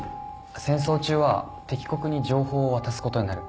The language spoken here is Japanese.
戦争中は敵国に情報を渡すことになる。